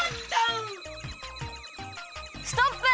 ストップ！